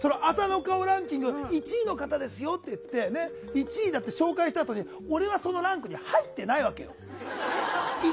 朝の顔ランキング１位の方ですよって言って紹介したあとに俺はそのランクに入ってないわけ。